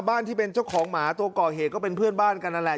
ที่เป็นเจ้าของหมาตัวก่อเหตุก็เป็นเพื่อนบ้านกันนั่นแหละ